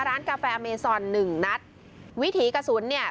ร้านกาแฟเมซอนหนึ่งนัดวิถีกระสุนเนี่ย